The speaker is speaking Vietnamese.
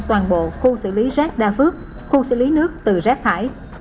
toàn bộ khu xử lý rác đa phước khu xử lý nước từ rác thải